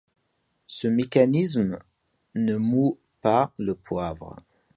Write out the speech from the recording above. Ce mécanisme ne moud pas le poivre.